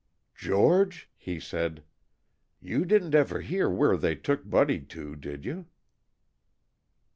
"George," he said, "you didn't ever hear where they took Buddy to, did you?"